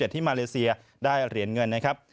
ที่มาเลเซียได้เหรียญเงินนะครับ